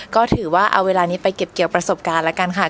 ก็ถือว่าเอาเวลานี้ไปเก็บเกี่ยวประสบการณ์แล้วกันค่ะ